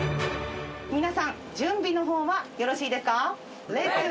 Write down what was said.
皆さん、準備のほうはよろしいですか？